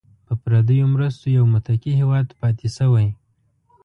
په پردیو مرستو یو متکي هیواد پاتې شوی.